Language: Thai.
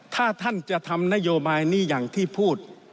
ถ้าท่านจะทำนโยบายนี้อย่างที่พูด